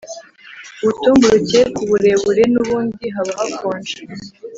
ubutumburuke kuburebure nubundi haba hakonje